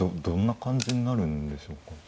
どんな感じになるんでしょうか。